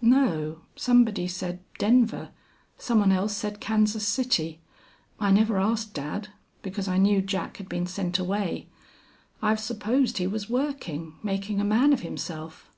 "No. Somebody said Denver. Some one else said Kansas City. I never asked dad, because I knew Jack had been sent away. I've supposed he was working making a man of himself."